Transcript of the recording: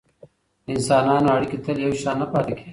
د انسانانو اړیکې تل یو شان نه پاتې کیږي.